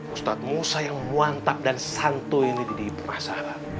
ustadz musa yang mantap dan santu ini di pasar